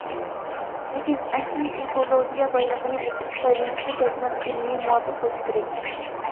لېكىن ئەسلىي ئېكولوگىيە بايلىقىنى ئېچىپ پايدىلىنىشتا جەزمەن ئىلمىي، مۇۋاپىق بولۇش كېرەك.